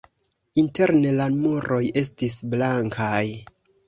Interne la muroj estis blankaj.